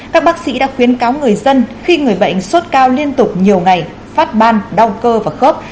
các bác sĩ đã khuyến cáo người dân khi người bệnh sốt cao liên tục nhiều ngày phát ban đau cơ và khớp